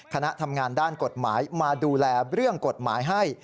คณะทำงานด้านกฎหมายมาดูแลเรื่องกฎหมายให้